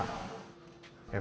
f rizal jakarta